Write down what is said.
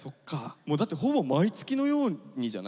もうだってほぼ毎月のようにじゃない？